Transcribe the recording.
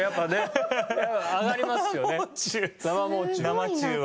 生中は。